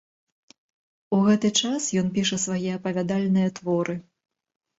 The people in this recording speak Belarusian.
У гэты час ён піша свае апавядальныя творы.